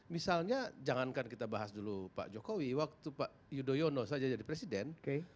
misalnya jangankan kita bahas dulu pak jokowi waktu pak yudhoyono saja jadi presiden